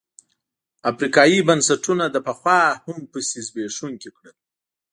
افریقايي بنسټونه یې له پخوا هم پسې زبېښونکي کړل.